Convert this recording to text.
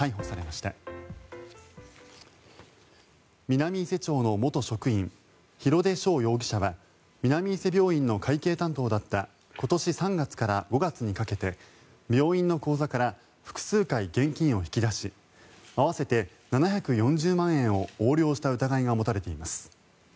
南伊勢町の元職員廣出翔容疑者は南伊勢病院の会計担当だった今年３月から５月にかけて病院の口座から複数回現金を引き出し合わせて７４０万円を横領した疑いが持たれています。